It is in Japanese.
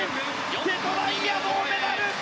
瀬戸大也、銅メダル！